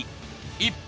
一方。